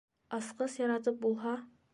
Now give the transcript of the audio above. Асҡыс яратып булһа...